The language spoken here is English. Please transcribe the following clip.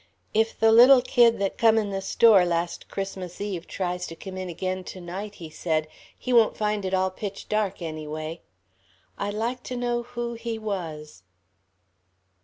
"If the little kid that come in the store last Christmas Eve tries to come in again to night," he said, "he won't find it all pitch dark, anyway. I'd like to know who he was...."